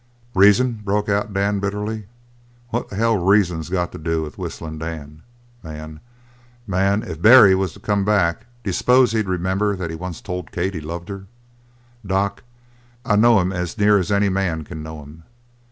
"Reason?" broke out Daniels bitterly. "What the hell has reason got to do with Whistling Dan? Man, man! if Barry was to come back d'you suppose he'd remember that he'd once told Kate he loved her? Doc, I know him as near as any man can know him.